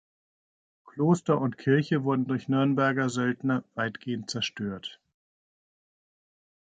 Kloster und Kirche wurden durch Nürnberger Söldner weitgehend zerstört.